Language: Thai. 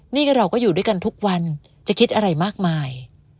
นี่เราก็อยู่ด้วยกันทุกวันจะคิดอะไรมากมาย